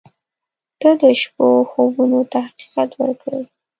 • ته د شپو خوبونو ته حقیقت ورکړې.